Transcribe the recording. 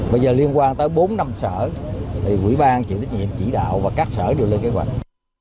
bây giờ liên quan tới bốn năm sở thì quỹ ban chịu trách nhiệm chỉ đạo và các sở đều lên kế hoạch